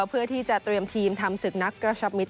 เพื่อที่จะเตรียมทีมทำศึกนักกระชับมิตร